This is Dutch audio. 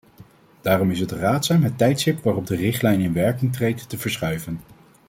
Daarom is het raadzaam het tijdstip waarop de richtlijn in werking treedt te verschuiven.